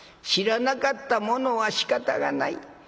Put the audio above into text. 知らなかったものはしかたがない。